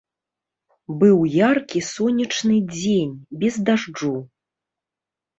Быў яркі сонечны дзень, без дажджу.